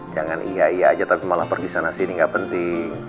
jangan iya iya aja tapi malah pergi sana sini gak penting